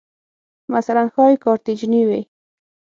مثلاً ښایي کارتیجني وې